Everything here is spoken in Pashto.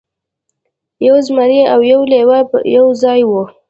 یو زمری او یو لیوه یو ځای وو.